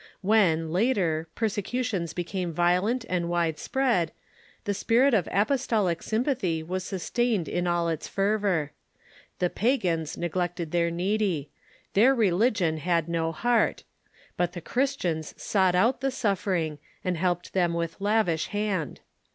When, later, persecu tions became violent and wide spread, the spirit of apostolic sympathy was sustained in all its fervor. The pagans neg lected their needy. Their religion had no heart. But the Christians sought out the suffering, and helped them with lavish hand.